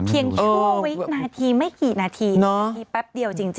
เพียงชั่วไว้นาทีไม่กี่นาทีนาทีแป๊บเดียวจริง